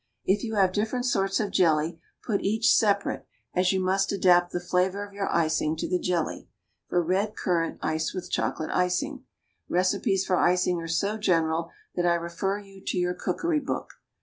If you have different sorts of jelly, put each separate, as you must adapt the flavor of your icing to the jelly. For red currant, ice with chocolate icing. Recipes for icing are so general that I refer you to your cookery book.